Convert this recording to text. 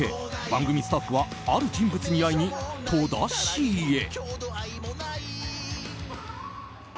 番組スタッフはある人物に会いに戸田市へ。